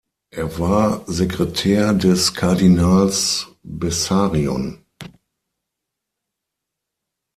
Er war Sekretär des Kardinals Bessarion.